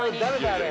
あれ。